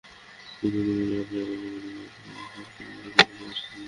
কিন্তু দ্বিতীয় ম্যাচে রানের জন্য মাথা কুটে মরলেন কুমিল্লা ভিক্টোরিয়ানসের ব্যাটসম্যানরা।